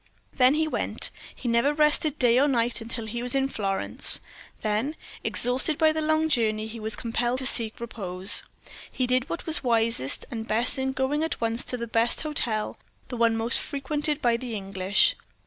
Then he went. He never rested day or night until he was in Florence. Then, exhausted by the long journey, he was compelled to seek repose. He did what was wisest and best in going at once to the best hotel, the one most frequented by the English.